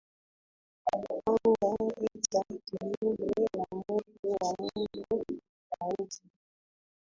Alipanga vita kinyume na mtu wa Mungu, Daudi.